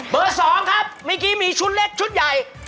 สองครับเมื่อกี้มีชุดเล็กชุดใหญ่